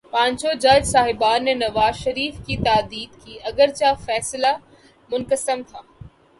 پانچوں جج صاحبان نے نواز شریف کی تادیب کی، اگرچہ فیصلہ منقسم تھا۔